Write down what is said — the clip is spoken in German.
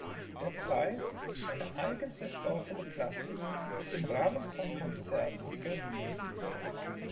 Der Preis, eine eigens entworfene Plastik, wird im Rahmen von Konzerten verliehen.